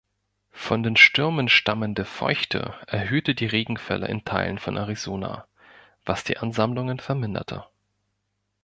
Von den Stürmen stammende Feuchte erhöhte die Regenfälle in Teilen von Arizona, was die Ansammlungen verminderte.